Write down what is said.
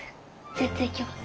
全然行けます。